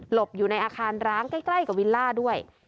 บอยู่ในอาคารร้างใกล้กับวิลล่าด้วย